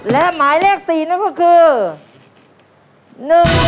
และหมายเลข๔นั่นก็คือ